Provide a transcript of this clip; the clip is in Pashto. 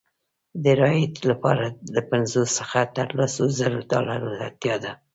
د رایې لپاره له پنځو څخه تر لسو زرو ډالرو اړتیا ده.